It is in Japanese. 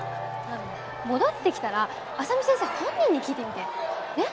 戻ってきたら浅見先生本人に聞いてみてねッ？